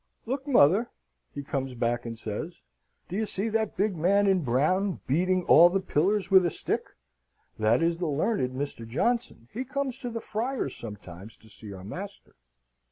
"Look, mother," he comes back and says, "do you see that big man in brown beating all the pillars with a stick? That is the learned Mr. Johnson. He comes to the Friars sometimes to see our master.